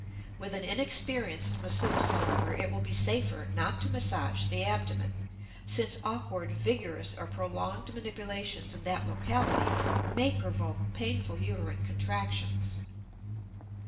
With an inexperienced masseuse, however, it will be safer not to massage the abdomen, since awkward, vigorous, or prolonged manipulations in that locality may provoke painful uterine contractions.